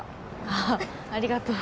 あっありがとう。